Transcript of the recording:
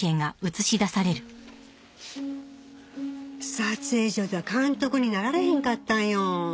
撮影所では監督になられへんかったんよ。